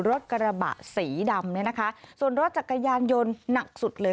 รถกระบะสีดำเนี่ยนะคะส่วนรถจักรยานยนต์หนักสุดเลย